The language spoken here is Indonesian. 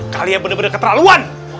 kalian bener bener keterlaluan